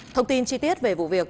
thông tin chi tiết về vụ việc